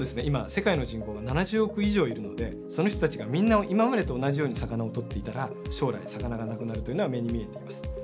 今世界の人口が７０億以上いるのでその人たちがみんな今までと同じように魚を取っていたら将来魚がなくなるというのは目に見えています。